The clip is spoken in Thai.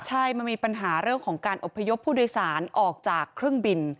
ใช่มันมีปัญหาเรื่องของการอบพยพผู้โดยสารออกจากเครื่องบิน